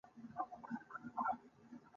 د ویرې دوام عقل ماتوي.